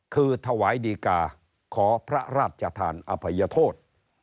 คือถวายดีกาขอพระราชทานอภัยโทษ